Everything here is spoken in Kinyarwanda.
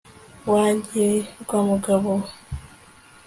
wa ngirwamugabo we